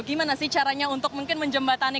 gimana sih caranya untuk mungkin menjembatani